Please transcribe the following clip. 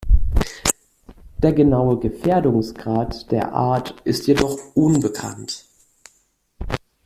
Der genaue Gefährdungsgrad der Art ist jedoch unbekannt.